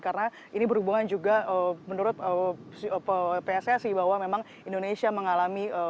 karena ini berhubungan juga menurut pssi bahwa memang indonesia mengalami